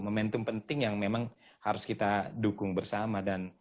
momentum penting yang memang harus kita dukung bersama dan